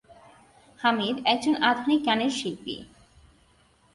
হামিদ একজন আধুনিক গানের শিল্পী।